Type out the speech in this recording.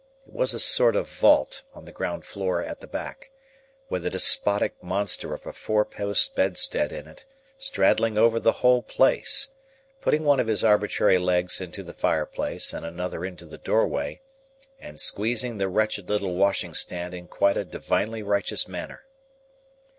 It was a sort of vault on the ground floor at the back, with a despotic monster of a four post bedstead in it, straddling over the whole place, putting one of his arbitrary legs into the fireplace and another into the doorway, and squeezing the wretched little washing stand in quite a Divinely Righteous manner.